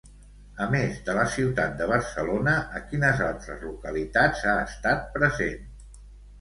A més de la ciutat de Barcelona, a quines altres localitats ha estat present?